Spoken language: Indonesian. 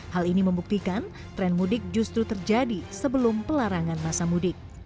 hal ini membuktikan tren mudik justru terjadi sebelum pelarangan masa mudik